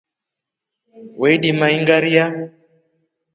Weldima ingairia.